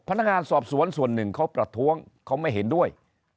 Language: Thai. พนักงานสอบสวนส่วนหนึ่งเขาประท้วงเขาไม่เห็นด้วย